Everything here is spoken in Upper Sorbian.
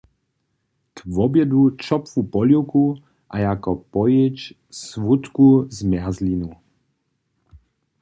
K wobjedu ćopłu poliwku a jako pojědź słódku zmjerzlinu.